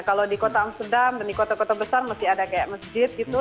kalau di kota amsterdam dan di kota kota besar masih ada kayak masjid gitu